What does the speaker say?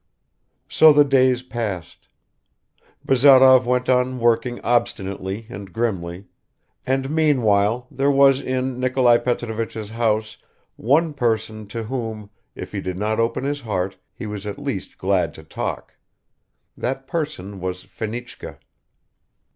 So the days passed. Bazarov went on working obstinately and grimly ... and meanwhile there was in Nikolai Petrovich's house one person to whom, if he did not open his heart, he was at least glad to talk ... that person was Fenichka.